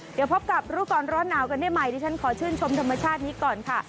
เดี๋ยวพบกับรู้ก่อนร้อนหนาวกันได้ใหม่ดิฉันขอชื่นชมธรรมชาตินี้ก่อนค่ะ